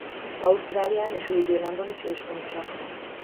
Ausztrálián és Új-Zélandon is őshonosak.